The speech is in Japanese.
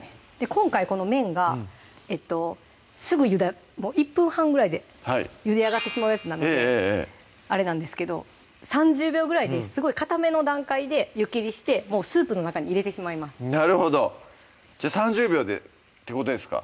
今回この麺がすぐもう１分半ぐらいでゆであがってしまうやつなのであれなんですけど３０秒ぐらいですごいかための段階で湯切りしてスープの中に入れてしまいますなるほどじゃあ３０秒でってことですか？